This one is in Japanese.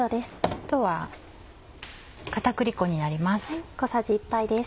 あとは片栗粉になります。